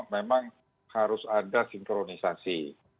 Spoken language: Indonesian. memang harus ada sinkronisasi